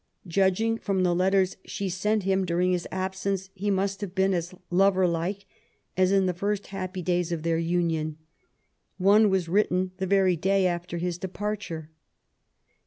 Judging from the letters she sent him during this absence, he must have been as lover like as in the first happy days of their union. One was written the very day after his departure.